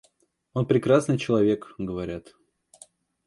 Он прекрасный человек, говорят.